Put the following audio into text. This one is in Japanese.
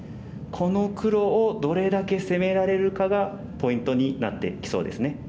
この黒をどれだけ攻められるかがポイントになってきそうですね。